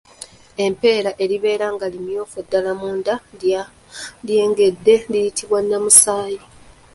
Eppeera eribeera nga limyufu ddala munda nga lyengedde liyitibwa Nnamusaayi.